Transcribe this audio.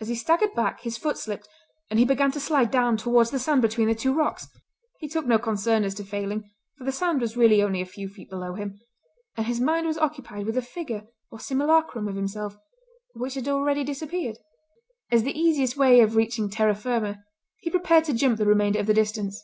As he staggered back his foot slipped, and he began to slide down towards the sand between the two rocks. He took no concern as to falling, for the sand was really only a few feet below him, and his mind was occupied with the figure or simulacrum of himself, which had already disappeared. As the easiest way of reaching terra firma he prepared to jump the remainder of the distance.